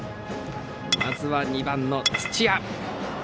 まずは２番の土屋。